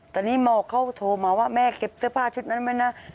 ตอนนี้หมอเขาโทรมาว่าแม่เก็บเสื้อผ้าชุดนั้นไหมนะ